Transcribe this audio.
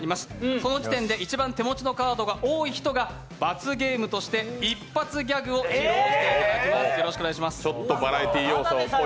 その時点で一番手持ちのカードが多い人が罰ゲームとして一発ギャグを披露していただきます。